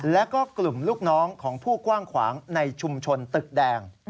แล้วก็กลุ่มลูกน้องของผู้กว้างขวางในชุมชนตึกแดง